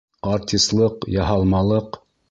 Артислыҡ, яһалмалыҡ.